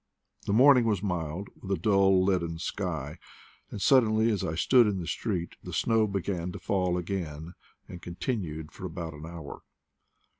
The morning was mild, with a dull leaden sky; and suddenly, as I stood in the street, the snow began to fall again, and continued for about an hour.